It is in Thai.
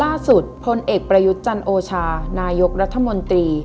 ล่าสุดพลเอกประยุจรรโอชานายกรัฐมนตรี